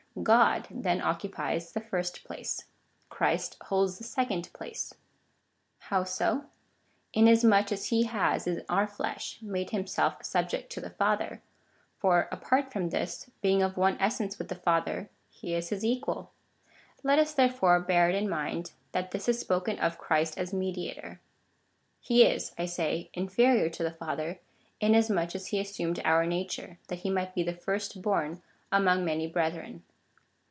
God, then, occupies the first place : Christ holds the second place. How so ? Inasmuch as he has in our flesh made himself subject to the Father, for, apart from this, being of one essence with the Father, he is his equal. Let us, therefore, bear it in mind, that this is spoken of Christ as mediator. He is, I say, inferior to the Father, inasmuch as he assumed our nature, that he might be the first born among many brethren.